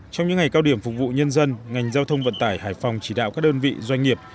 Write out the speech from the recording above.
trong những ngày cao điểm phục vụ nhân dân ngành giao thông vận tải hải phòng chỉ đạo các đơn vị doanh nghiệp